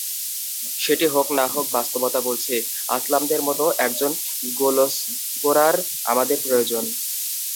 সেটি হোক না-হোক বাস্তবতা বলছে, আসলামের মতো একজন গোলস্কোরার প্রয়োজন আমাদের।